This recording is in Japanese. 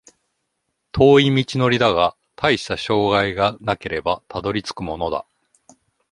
遠い道のりだが、たいした障害がなければたどり着くものだ